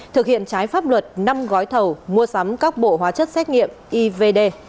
thực hiện trái pháp luật năm gói thầu mua sắm các bộ hóa chất xét nghiệm ivd